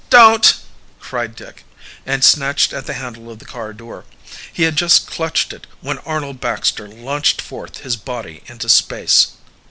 "Don't!" cried Dick, and snatched at the handle of the car door. He had just clutched it, when Arnold Baxter launched forth his body into space.